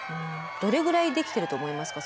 どれぐらいできてると思いますか？